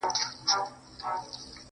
o اوس دادی.